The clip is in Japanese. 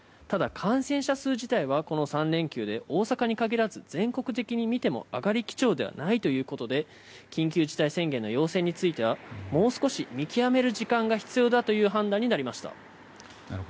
ただ、感染者数自体はこの３連休で大阪に限らず、全国的に見ても上がり基調ではないということで緊急事態宣言の要請についてはもう少し見極める時間が必要だという判断になりました。